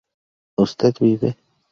usted vive